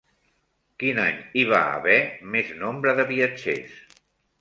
Quin any hi va haver més nombre de viatgers?